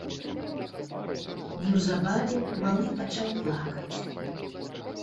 Неўзабаве малы пачаў плакаць.